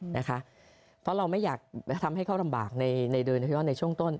เพราะเราไม่อยากทำให้เขาลำบากในช่วงต้น